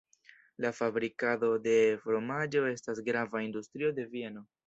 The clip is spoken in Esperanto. La fabrikado de fromaĝo estas grava industrio de Vieno.